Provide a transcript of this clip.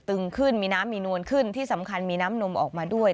ึงขึ้นมีน้ำมีนวลขึ้นที่สำคัญมีน้ำนมออกมาด้วย